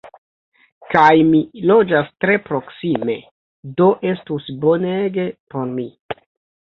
Kaj mi loĝas tre proksime! Do estus bonege por mi!